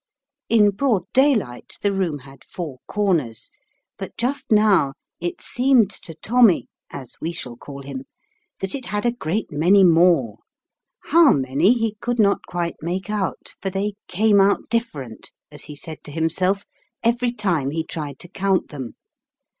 In broad daylight the room had four corners, but just now it seemed to Tommy (as we shall call him) that it had a great many more : how many, he could not quite make out, for they "came out different/' as he said to himself, every time he tried to count them.